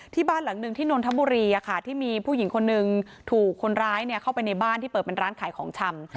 บ้านหลังหนึ่งที่นนทบุรีที่มีผู้หญิงคนหนึ่งถูกคนร้ายเข้าไปในบ้านที่เปิดเป็นร้านขายของชำ